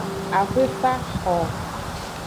Ahoefa xo.